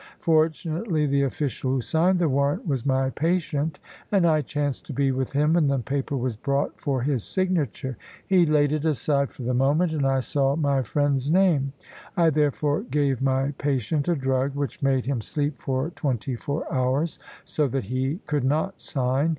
Fortunately, the official who signed the warrant was my patient, and I chanced to be with him when the paper was brought for his signature. He laid it aside for the moment, and I saw my friend's name. I therefore gave my patient a drug, which made him sleep for twenty four hours, so that he could not sign.